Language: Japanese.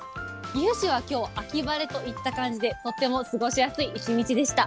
岐阜市はきょう、秋晴れといった感じで、とっても過ごしやすい一日でした。